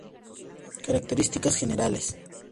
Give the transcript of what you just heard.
Características generales.